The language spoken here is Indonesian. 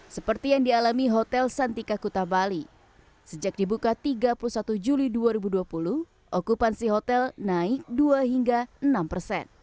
seperti yang dialami hotel santika kuta bali sejak dibuka tiga puluh satu juli dua ribu dua puluh okupansi hotel naik dua hingga enam persen